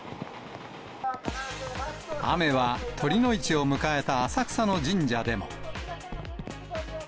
雨は酉の市を迎えた浅草の神社でも。